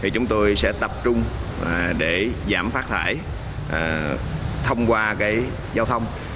chúng tôi sẽ tập trung để giảm phát thải thông qua giao thông